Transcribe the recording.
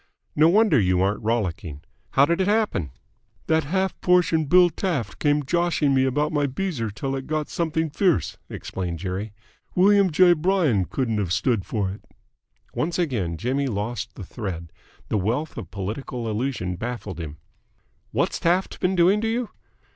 "No wonder you aren't rollicking. How did it happen?" "That half portion Bill Taft came joshing me about my beezer till it got something fierce," explained Jerry. "William J. Bryan couldn't have stood for it." Once again Jimmy lost the thread. The wealth of political allusion baffled him. "What's Taft been doing to you?"